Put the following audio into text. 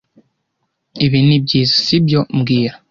Ibi nibyiza, sibyo mbwira